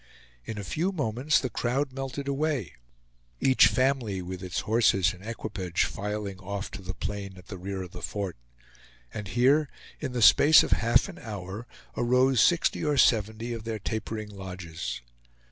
In a few moments the crowd melted away; each family, with its horses and equipage, filing off to the plain at the rear of the fort; and here, in the space of half an hour, arose sixty or seventy of their tapering lodges.